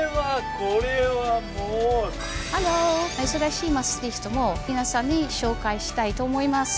珍しいマーストリヒトも皆さんに紹介したいと思います。